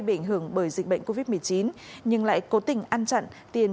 bị ảnh hưởng bởi dịch bệnh covid một mươi chín nhưng lại cố tình ăn chặn tiền